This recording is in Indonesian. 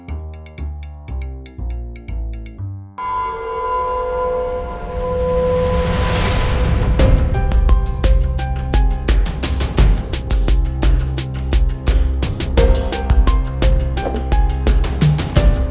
aku mau ke tempat yang lebih baik